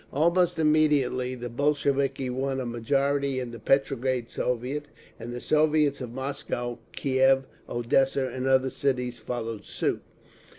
Almost immediately the Bolsheviki won a majority in the Petrograd Soviet, and the Soviets of Moscow, Kiev, Odessa and other cities followed suit.